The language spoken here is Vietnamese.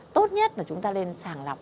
tốt nhất là chúng ta nên sàng lọc